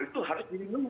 itu harus dilindungi